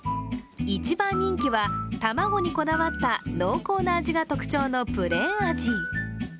一番人気は卵にこだわった濃厚な味が特徴のプレーン味。